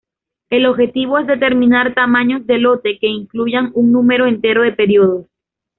El objetivo es determinar tamaños de lote que incluyan un número entero de periodos.